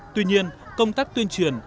tuy nhiên công tác tuyên truyền